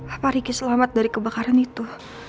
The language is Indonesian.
apalagi selamat dari kebakaran itu